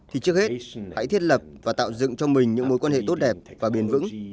thì trước hết hãy thiết lập và tạo dựng cho mình những mối quan hệ tốt đẹp và bền vững